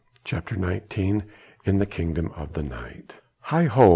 CHAPTER XIX IN THE KINGDOM OF THE NIGHT Heigh ho!